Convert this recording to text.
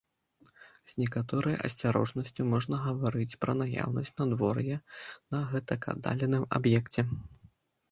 З некаторай асцярожнасцю можна гаварыць пра наяўнасць надвор'я на гэтак аддаленым аб'екце.